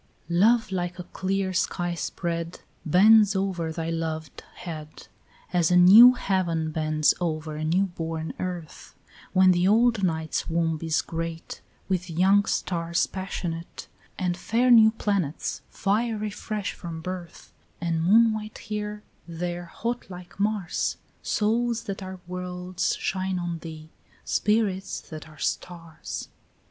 13 Love like a clear sky spread Bends over thy loved head, As a new heaven bends over a new born earth, When the old night's womb is great With young stars passionate And fair new planets fiery fresh from birth; And moon white here, there hot like Mars, Souls that are worlds shine on thee, spirits that are stars.